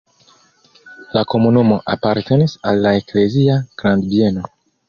La komunumo apartenis al la eklezia grandbieno.